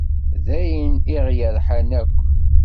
D ayen i ɣ-yerḥan akk.